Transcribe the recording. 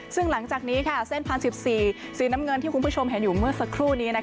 ซึ่งหลังจากนี้เส้น๑๐๑๔สีน้ำเงินที่คุณผู้ชมเห็นอยู่เมื่อสักครู่นี้